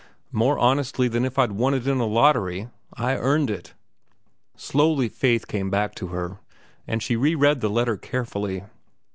"More honestly than if I'd won it in a lottery. I earned it." Slowly faith came back to her, and she reread the letter carefully.